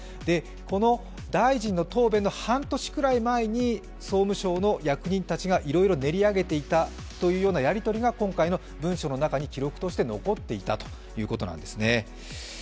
この大臣の答弁の半年ぐらい前に、総務省の役人たちがいろいろ練り上げていたというやり取りが今回の文書の中に記録として残っていたということなんですね。